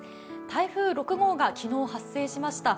台風６号が昨日発生しました。